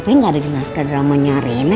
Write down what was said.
tapi gak ada di naskah dramanya reina